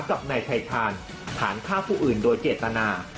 กับในไทยชาญผ่านฆ่าผู้อื่นโดยเจตนา